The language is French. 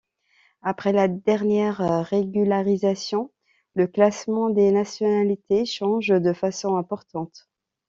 Après la dernière régularisation, le classement des nationalités change de façon importante.